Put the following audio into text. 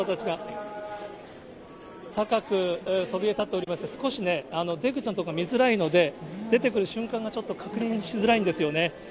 高くそびえたっておりまして、少しね、出口の所が見づらいので、出てくる瞬間がちょっと確認しづらいんですよね。